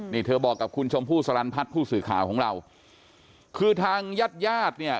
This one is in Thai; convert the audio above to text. นี่เธอบอกกับคุณชมพู่สลันพัฒน์ผู้สื่อข่าวของเราคือทางญาติญาติเนี่ย